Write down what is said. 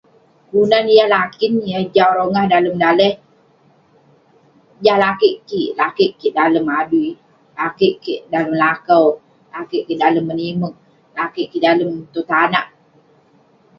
Kelunan yah lakin, yah jau rongah tong daleh, jah lakeik kik..lakeik kik dalem adui, lakeik kik dalem lakau, lakeik kik dalem menimerk, lakeik kik dalem tong tanak..